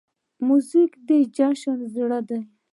موزیک د جشن زړه دی.